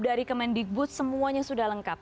dari kemendikbud semuanya sudah lengkap